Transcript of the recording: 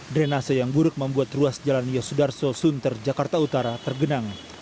drenase yang buruk membuat ruas jalan yosudarso sunter jakarta utara tergenang